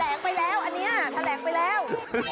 ลงไปแล้วอันนี้แถลงไปแล้ว